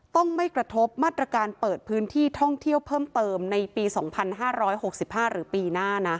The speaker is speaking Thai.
ต้องไม่กระทบมาตรการเปิดพื้นที่ท่องเที่ยวเพิ่มเติมในปี๒๕๖๕หรือปีหน้านะ